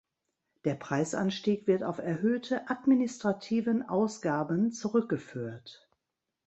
Der Preisanstieg wird auf erhöhte „administrativen Ausgaben“ zurückgeführt.